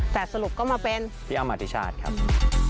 แต่สรุปก็มาเป็นพี่อ้ำอธิชาติครับ